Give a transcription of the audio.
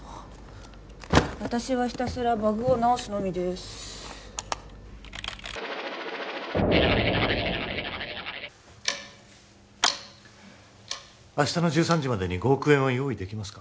私はひたすらバグを直すのみです明日の１３時までに５億円は用意できますか？